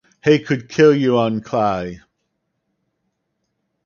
He could kill you on clay.